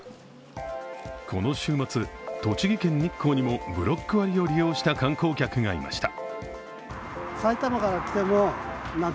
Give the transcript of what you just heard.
この週末、栃木県日光にもブロック割を利用した観光客がいました。